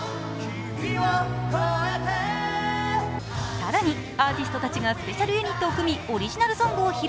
更にアーティストたちがスペシャルユニットを組みオリジナルソングを披露。